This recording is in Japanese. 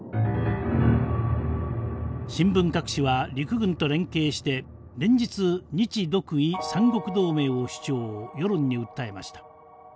新聞各紙は陸軍と連携して連日日独伊三国同盟を主張世論に訴えました。